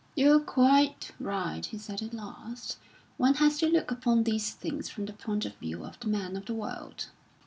"You're quite right," he said at last; "one has to look upon these things from the point of view of the man of the world."